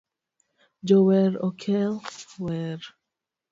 Jower okel wer